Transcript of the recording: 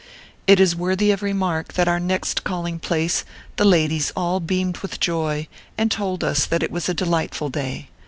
It is worthy of remark that at our next calling place the ladies all beamed with joy, and told us that it was a delightful day.